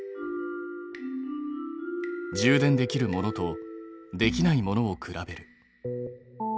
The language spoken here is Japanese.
充電できるものとできないものを比べる。